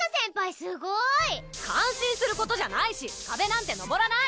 すごい感心することじゃないし壁なんて登らない！